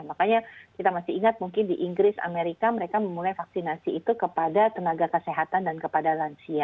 makanya kita masih ingat mungkin di inggris amerika mereka memulai vaksinasi itu kepada tenaga kesehatan dan kepada lansia